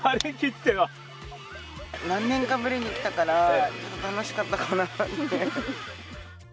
何年かぶりに来たから、ちょっと楽しかったかなって。